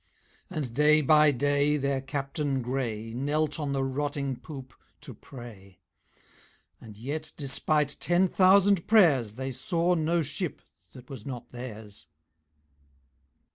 And day by day their Captain grey Knelt on the rotting poop to pray: And yet despite ten thousand prayers They saw no ship that was not theirs.